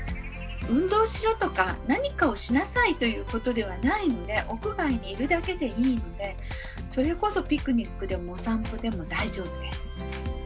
「運動しろ」とか「何かをしなさい」ということではないので屋外にいるだけでいいのでそれこそピクニックでもお散歩でも大丈夫です。